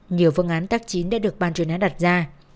nhiều phương án tác chiến đã được ban chuyên án đặt ra